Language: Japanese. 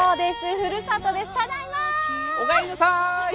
ふるさとです。